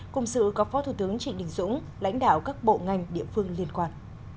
cùng sự có phó thủ tướng trịnh đình dũng lãnh đạo các bộ ngành địa phương liên quan